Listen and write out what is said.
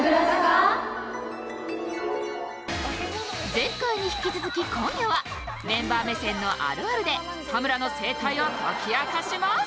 前回に引き続き今夜はメンバー目線のあるあるで田村の生態を解き明かします